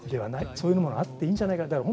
そういうものがあってもいいんじゃないかと。